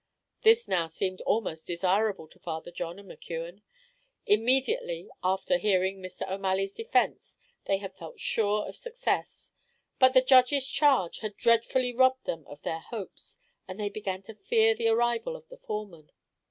This now seemed almost desirable to Father John and McKeon. Immediately after hearing Mr. O'Malley's defence they had felt sure of success; but the judge's charge had dreadfully robbed them of their hopes, and they began to fear the arrival of the foreman.